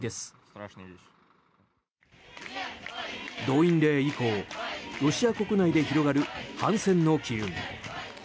動員令以降ロシア国内で広がる反戦の機運。